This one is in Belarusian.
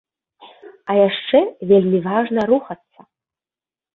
А яшчэ вельмі важна рухацца.